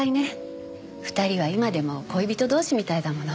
２人は今でも恋人同士みたいだもの。